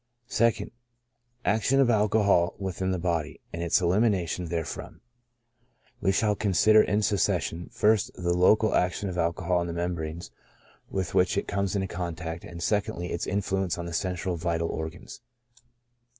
2nd. Action of Alcohol within the body^ and its elimination therefrom. — We shall consider in succession, ist, the local action of alcohol on the membranes with which it comes ALCOHOL IN HEALTH. J into contact ; and 2ndly, Its influence on the central vital organs.